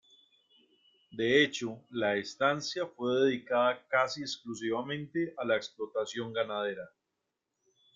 De hecho, la estancia fue dedicada casi exclusivamente a la explotación ganadera.